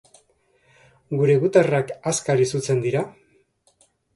Gure gutarrak azkar izutzen dira?